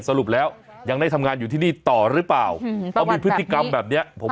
สรุปแล้วยังได้ทำงานอยู่ที่นี่ต่อหรือเปล่าเพราะมีพฤติกรรมแบบเนี้ยผม